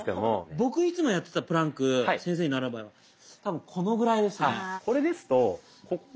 僕いつもやってたプランク先生に習う前は多分このぐらいですね。